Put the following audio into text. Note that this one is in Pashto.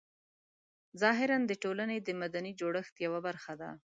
ظاهراً د ټولنې د مدني جوړښت یوه برخه ده.